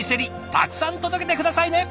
たくさん届けて下さいね！